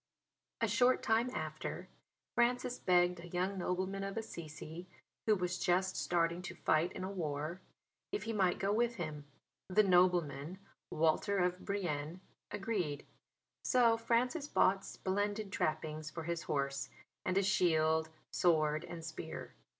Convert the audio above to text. A short time after Francis begged a young nobleman of Assisi, who was just starting to fight in a war, if he might go with him. The nobleman Walter of Brienne, agreed: so Francis bought splendid trappings for his horse, and a shield, sword and spear.